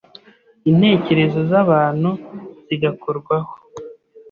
intekerezo z’abantu zigakorwaho.